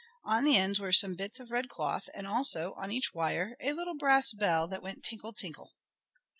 On the ends were some bits of red cloth, and also, on each wire, a little brass bell, that went "tinkle tinkle."